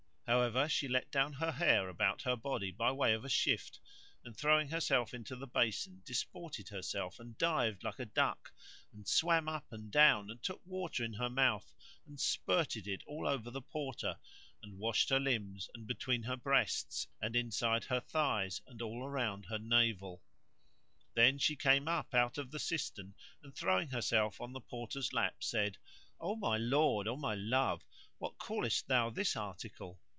However, she let down her hair about her body by way of shift, and throwing herself into the basin disported herself and dived like a duck and swam up and down, and took water in her mouth, and spurted it all over the Porter, and washed her limbs, and between her breasts, and inside her thighs and all around her navel. Then she came up out of the cistern and throwing herself on the Porter's lap said, "O my lord, O my love, what callest thou this article?"